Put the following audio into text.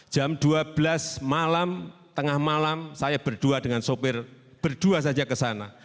jam dua belas malam tengah malam saya berdua dengan sopir berdua saja ke sana